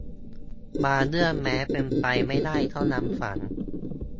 บางเรื่องแม้เป็นไปไม่ได้ก็ยังฝัน